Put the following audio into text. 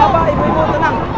bapak ibu ibu tenang